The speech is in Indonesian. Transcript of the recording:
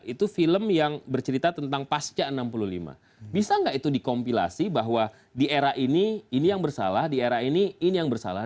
itu film yang bercerita tentang pasca enam puluh lima bisa nggak itu dikompilasi bahwa di era ini ini yang bersalah di era ini ini yang bersalah